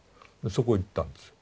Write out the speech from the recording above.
そこへ行ったんです。